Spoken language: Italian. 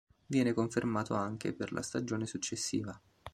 Viene confermato anche per la stagione successiva.